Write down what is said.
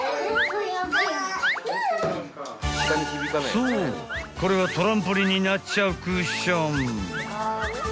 ［そうこれはトランポリンになっちゃうクッション］